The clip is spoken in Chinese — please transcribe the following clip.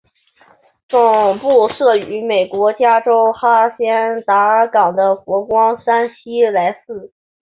总部设于美国加州哈仙达岗的佛光山西来寺。